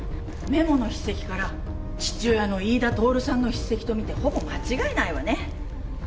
メモの筆跡から父親の飯田透さんの筆跡とみてほぼ間違いないわね。